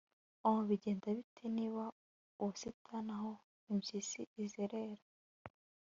O bigenda bite niba ubusitani aho impyisi izerera